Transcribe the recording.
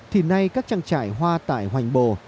thì nay các trang trại hoa tại hoành bồ